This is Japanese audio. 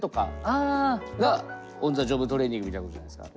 あ！がオン・ザ・ジョブトレーニングみたいなことじゃないですか。